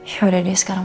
yaudah deh sekarang